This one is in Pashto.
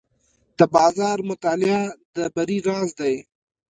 د بازار مطالعه د بری راز دی.